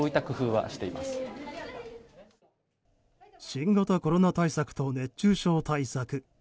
新型コロナ対策と熱中症対策。